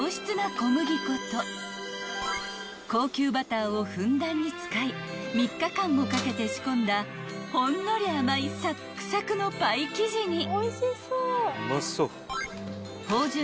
［高級バターをふんだんに使い３日間もかけて仕込んだほんのり甘いサックサクのパイ生地に］